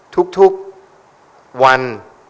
ทุกวัน